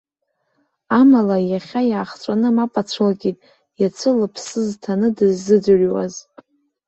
Амала, иахьа иаахҵәаны мап ацәылкит, иацы лыԥсы зҭаны дыззыӡырҩуаз!